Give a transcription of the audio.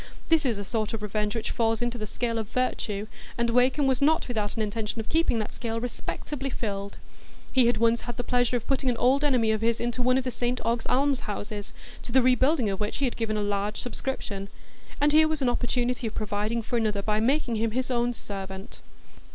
That is a sort of revenge which falls into the scale of virtue, and Wakem was not without an intention of keeping that scale respectably filled. He had once had the pleasure of putting an old enemy of his into one of the St Ogg's alms houses, to the rebuilding of which he had given a large subscription; and here was an opportunity of providing for another by making him his own servant.